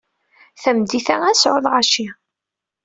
Tameddit-a ad nesɛu lɣaci.